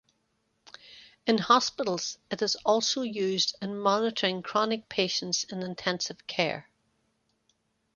In hospitals it is also used in monitoring chronic patients in intensive care.